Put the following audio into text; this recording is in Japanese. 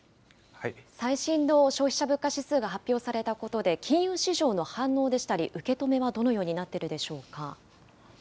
最新の消費者物価指数が発表されたことで、金融市場の反応でしたり、受け止めはどのようになってるでしょうか。